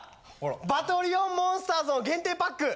『バトリオンモンスターズ』の限定パック。